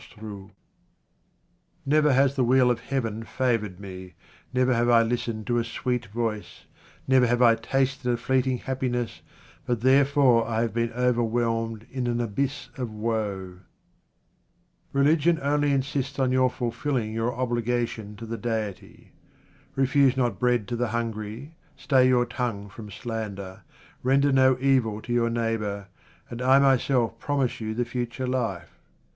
QUATRAINS OF OMAR KHAYYAM Never has the wheel of Heaven favoured me, never have I listened to a sweet voice, never have I tasted a fleeting happiness, but therefor I have been overwhelmed in an abyss of woe. Religion only insists on your fulfilling your obligation to the Deity. Refuse not bread to the hungry, stay your tongue from slander, render no evil to your neighbour, and I myself promise you the future life.